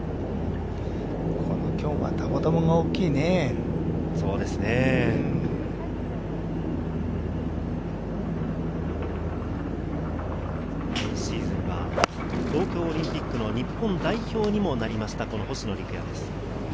今シーズンは東京オリンピックの日本代表にもなりました、星野陸也です。